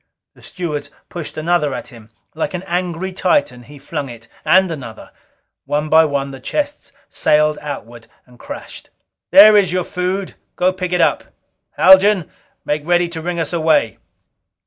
The stewards pushed another at him. Like an angry Titan, he flung it. And another. One by one the chests sailed out and crashed. "There is your food. Go pick it up! Haljan, make ready to ring us away!"